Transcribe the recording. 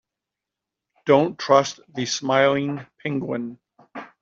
Don't trust the smiling penguin.